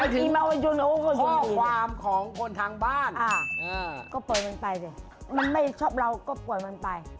หมายถึงข้อความของคนทางบ้านก็เปิดมันไปสิมันไม่ชอบเราก็เปิดมันไป